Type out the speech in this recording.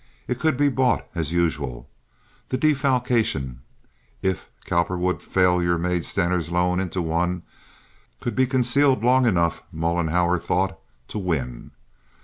It could be bought, as usual. The defalcation—if Cowperwood's failure made Stener's loan into one—could be concealed long enough, Mollenhauer thought, to win.